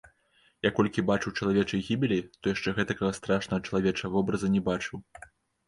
Я колькі бачыў чалавечай гібелі, то яшчэ гэтакага страшнага чалавечага вобраза не бачыў.